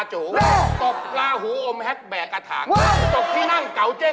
หุ่ยน้องไม่เอาคิวต้องขัน๒